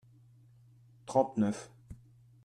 trente neuf.